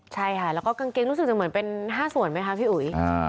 ใช่ค่ะแล้วก็กางเกงรู้สึกจะเหมือนเป็น๕ส่วนไหมคะพี่อุ๋ย